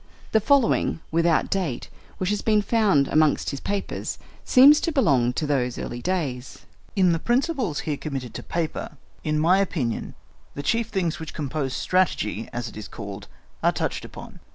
The following, without date, which has been found amongst his papers, seems to belong to those early days. "In the principles here committed to paper, in my opinion, the chief things which compose Strategy, as it is called, are touched upon.